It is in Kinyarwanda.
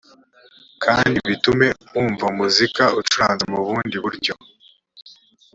kandi bitume wumva umuzika ucuranze mu bundi buryo